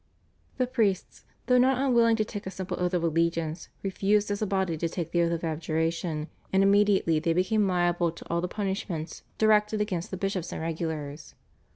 The priests, though not unwilling to take a simple oath of allegiance, refused as a body to take the Oath of Abjuration, and immediately they became liable to all the punishments directed against the bishops and regulars.